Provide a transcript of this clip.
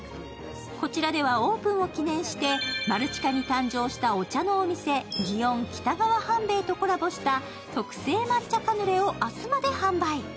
こちらではオープンを記念してマルチカに誕生したお茶のお店、祇園北川半兵衛とコラボした特製抹茶カヌレを明日まで販売。